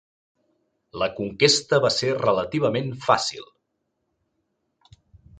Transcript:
La conquesta va ser relativament fàcil.